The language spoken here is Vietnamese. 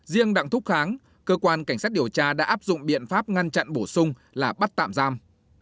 riêng đặng thúc kháng cơ quan cảnh sát điều tra đã áp dụng biện pháp ngăn chặn bổ sung là bắt tạm giam